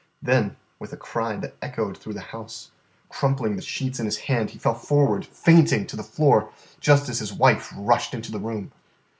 Then, with a cry that echoed through the house, crumpling the sheets in his hand, he fell forward fainting to the floor, just as his wife rushed into the room.